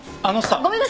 ごめんなさい。